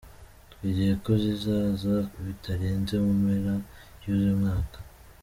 Twizeye ko zizaza bitarenze mu mpera z’uyu mwaka.